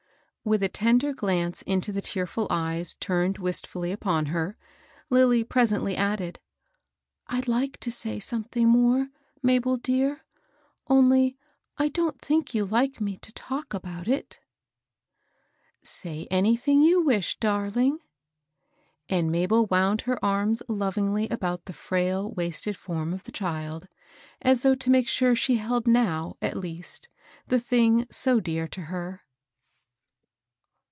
429 With a tend^ glance into the tearfiil eyes turned wistftJly upon her, Lilly presently added, — ^I'd like to say something more, Mabel dear, only I don't think you hke me to talk about it." ^ Say anything you wish, darling." And Mabel wound her arms lovingly about the frail, waated form of the child, as though to make sure she held now^ at l^t, the thing so dear to her.